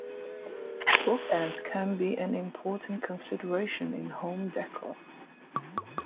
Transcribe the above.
Bookends can be an important consideration in home decor.